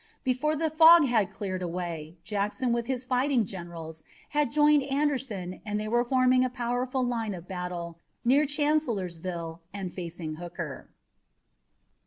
Before the fog had cleared away Jackson with his fighting generals had joined Anderson and they were forming a powerful line of battle near Chancellorsville and facing Hooker.